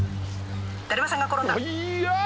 ・だるまさんが転んだ・速っ！